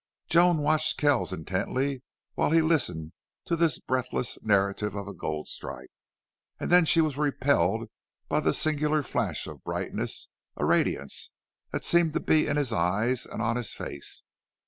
Joan watched Kells intently while he listened to this breathless narrative of a gold strike, and she was repelled by the singular flash of brightness a radiance that seemed to be in his eyes and on his face.